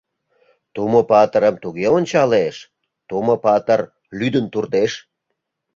Тумо-патырым туге ончалеш, Тумо-патыр лӱдын туртеш.